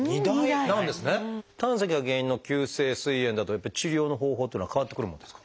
胆石が原因の急性すい炎だとやっぱり治療の方法っていうのは変わってくるもんですか？